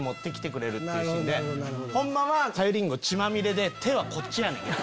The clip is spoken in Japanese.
ホンマはさゆりんご血まみれで手はこっちやねん。